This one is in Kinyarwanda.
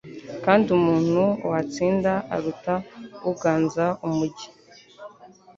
kandi umuntu witsinda aruta uganza umugi